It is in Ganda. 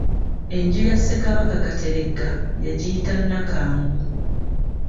Enju ya Ssekabaka Kateregga yagiyita Nnakangu.